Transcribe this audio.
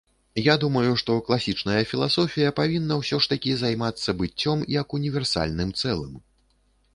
Я думаю, што класічная філасофія павінна ўсё ж такі займацца быццём як універсальным цэлым.